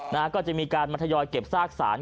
นะฮะก็จะมีการมาทยอยเก็บซากสาร